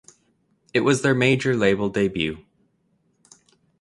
It was their major label debut.